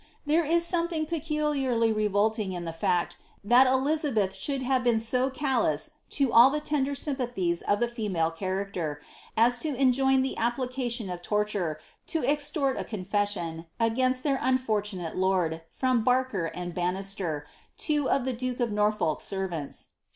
* Theie is something peculiarly revolting in the fact, tliat Elizabeth should have been so callous to all tlie tender sympathies of the female rharacter, as to enjoin the application of torture to extort a confession, ifiintt their unfortunate lord, from Barker and Banister, two of the duke of Norfolk's servants.